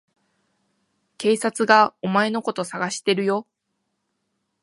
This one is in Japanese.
警察がお前のこと捜してるよ。